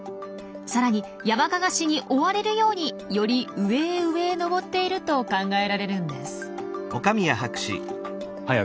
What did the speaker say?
さらにヤマカガシに追われるようにより上へ上へ登っていると考えられるんです。